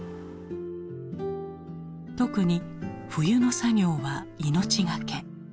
特に冬の作業は命懸け。